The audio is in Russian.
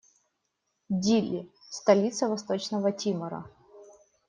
Дили - столица Восточного Тимора.